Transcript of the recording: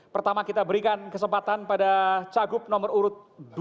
pertama kita berikan kesempatan pada cagup nomor urut dua